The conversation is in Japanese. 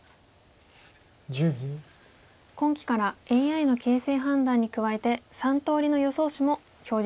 今期からＡＩの形勢判断に加えて３通りの予想手も表示しております。